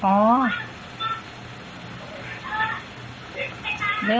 คือไม่รู้เหรอ